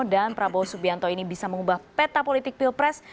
dan prabowo subianto ini bisa mengubah peta politik pilpres